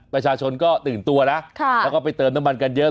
ประชาชนก็ตื่นตัวนะแล้วก็ไปเติมน้ำมันกันเยอะ